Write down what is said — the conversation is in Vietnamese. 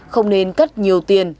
không nên cất nhiều tiền